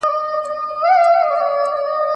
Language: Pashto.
تاسو بايد د مقابل لوري تاييد وکړئ.